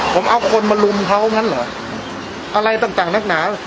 ผมเอาคนมาลุมเขางั้นเหรออะไรต่างนักหนา